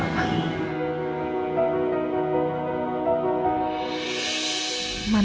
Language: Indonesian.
aku mau berjalan